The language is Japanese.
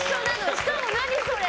しかも何それ？